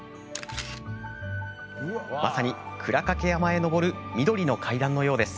まさに、鞍掛山へ登る緑の階段のようです。